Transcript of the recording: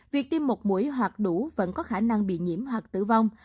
việc tiêm một mũi hoặc đủ vẫn có khả năng bị nhiễm hoặc tử vong